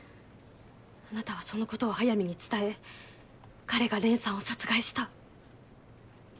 あなたはそのことを速水に伝え彼が蓮さんを殺害した。